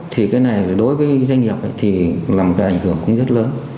thì cái này đối với doanh nghiệp thì làm cả ảnh hưởng cũng rất lớn